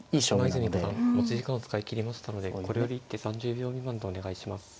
今泉五段持ち時間を使い切りましたのでこれより一手３０秒未満でお願いします。